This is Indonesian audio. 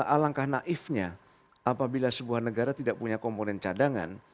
alangkah naifnya apabila sebuah negara tidak punya komponen cadangan